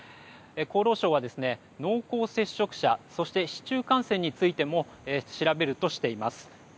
厚労省は、濃厚接触者そして市中感染についても調べるとしています。